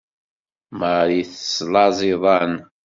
Marie teslaẓ iḍan.